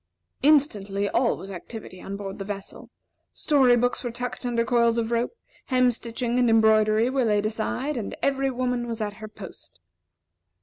Instantly all was activity on board the vessel. Story books were tucked under coils of rope, hem stitching and embroidery were laid aside, and every woman was at her post.